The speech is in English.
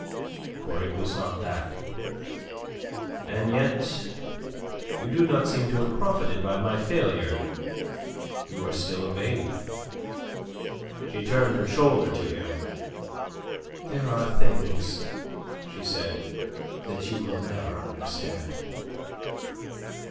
For it was not that. And yet, you do not seem to have profited by my failure. You are still a maid." She turned her shoulder to him. "There are things," she said, "that you will never understand."